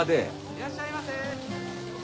いらっしゃいませ！